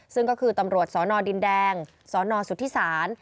ซึ่งก็คือตำรวจสนดินแดงสนสุธิศาล